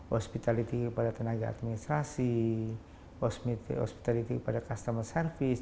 hospitality kepada tenaga administrasi hospitality kepada customer service